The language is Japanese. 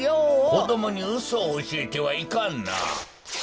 こどもにうそをおしえてはいかんな。